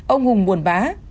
ông hùng buồn bá